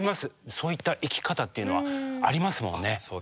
そういった生き方っていうのはありますもんね。